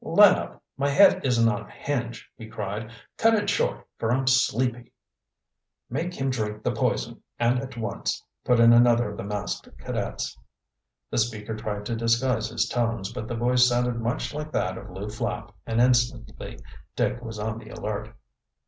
"Let up, my head isn't on a hinge!" he cried. "Cut it short, for I'm sleepy." "Make him drink the poison and at once!" put in another of the masked cadets. The speaker tried to disguise his tones, but the voice sounded much like that of Lew Flapp and instantly Dick was on the alert.